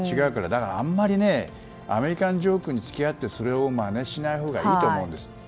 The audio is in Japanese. だから、あまりアメリカンジョークに付き合ってそれをまねしないほうがいいと思います。